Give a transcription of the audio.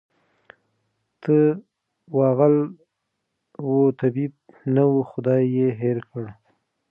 ته وا غل وو طبیب نه وو خدای ېې هېر کړ